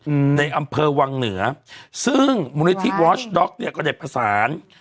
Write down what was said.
อืมในอำเภอวังเหนือซึ่งโวชด็อกเนี้ยก็ได้ผสาน